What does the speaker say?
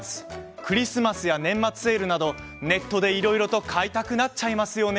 クリスマスや年末セールなどネットで、いろいろと買いたくなっちゃいますよね。